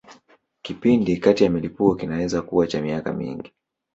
Kipindi kati ya milipuko kinaweza kuwa cha miaka mingi.